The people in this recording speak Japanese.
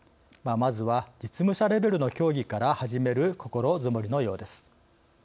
まずは実務者レベルの協議から始める心づもりのようです。